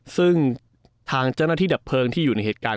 ซึ่งทางเจ้าหน้าที่ดับเพลิงที่อยู่ในเหตุการณ์